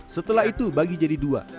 setelah itu bagi jadi dua